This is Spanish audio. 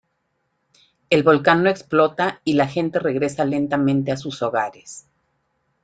El volcán no explota y la gente regresa lentamente a sus hogares.